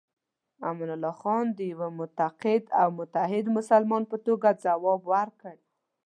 امان الله خان د یوه معتقد او متعهد مسلمان په توګه ځواب ورکړ.